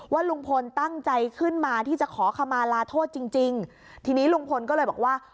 ลุงพลตั้งใจขึ้นมาที่จะขอขมาลาโทษจริงจริงทีนี้ลุงพลก็เลยบอกว่า